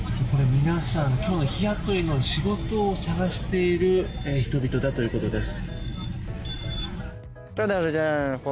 皆さん今日の日雇いの仕事を探している人々だということです。